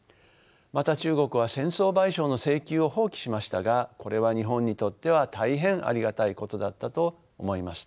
また中国は戦争賠償の請求を放棄しましたがこれは日本にとっては大変ありがたいことだったと思います。